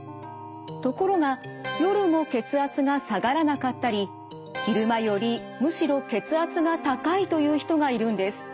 ところが夜も血圧が下がらなかったり昼間よりむしろ血圧が高いという人がいるんです。